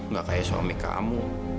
gak kayak suami kamu